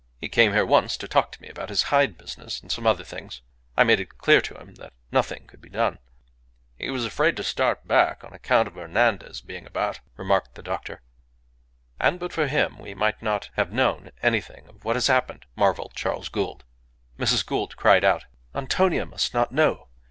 He came here once to talk to me about his hide business and some other things. I made it clear to him that nothing could be done." "He was afraid to start back on account of Hernandez being about," remarked the doctor. "And but for him we might not have known anything of what has happened," marvelled Charles Gould. Mrs. Gould cried out "Antonia must not know!